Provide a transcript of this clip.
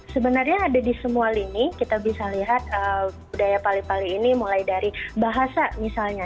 sebenarnya ada di semua lini kita bisa lihat budaya pali pali ini mulai dari bahasa misalnya